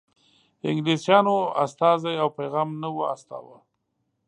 انګلیسیانو استازی او پیغام نه و استاوه.